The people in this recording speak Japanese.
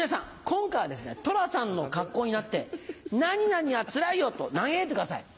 今回はですね寅さんの格好になって「何々はつらいよ」と嘆いてください。